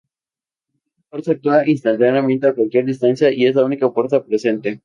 Esta fuerza actúa instantáneamente, a cualquier distancia y es la única fuerza presente.